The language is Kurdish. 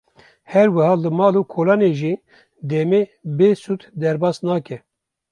Her wiha li mal û kolanê jî demê bê sûd derbas nake.